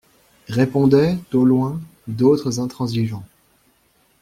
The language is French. Répondaient, au loin, d'autres intransigeants.